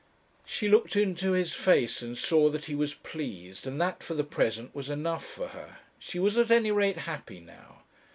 She looked into his face and saw that he was pleased; and that, for the present, was enough for her. She was at any rate happy now.